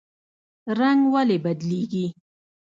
رنګ ولې بدلیږي؟